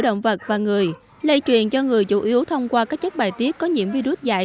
động vật và người lây truyền cho người chủ yếu thông qua các chất bài tiết có nhiễm virus dạy